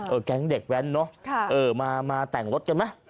แก๊งเด็กแว้นเนอะเออมาแต่งรถกันไหม